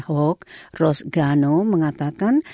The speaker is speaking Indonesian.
hawke ross gano mengatakan